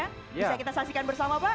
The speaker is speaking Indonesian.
bisa kita saksikan bersama pak